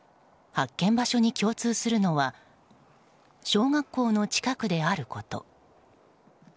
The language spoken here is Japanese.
発見場所に共通するのは小学校の近くであること。